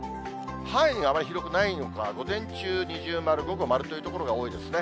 範囲があまり広くないのか、午前中二重丸、午後丸という所が多いですね。